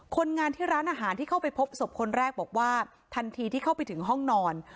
คนงานที่ร้านอาหารที่เข้าไปพบศพคนแรกบอกว่าทันทีที่เข้าไปถึงห้องนอน